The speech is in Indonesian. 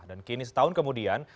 dan kini setahun kemudian